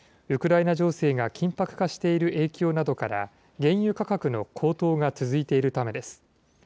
ウクライナ情勢が緊迫化している影響などから、原油価格の高騰が続いているためです。